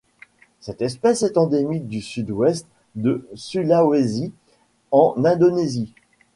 Cette espèce est endémique du Sud-Ouest du Sulawesi en Indonésie.